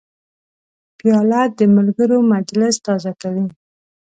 پیاله د ملګرو مجلس تازه کوي.